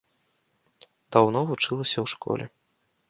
Даўно вучылася ў школе.